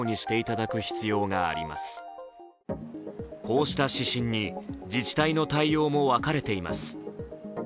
こうした指針に自治体の対応も分かれています。